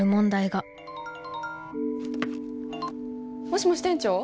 もしもし店長？